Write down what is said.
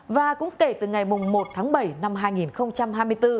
và cũng kể từ ngày một tháng bảy năm hai nghìn hai mươi bốn